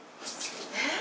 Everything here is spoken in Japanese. えっ？